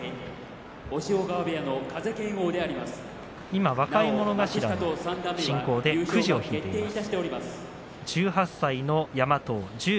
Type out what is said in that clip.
今若者頭の進行でくじを引いています。